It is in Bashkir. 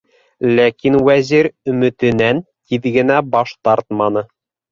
Ләкин Вәзир өмөтөнән тиҙ генә баш тартманы.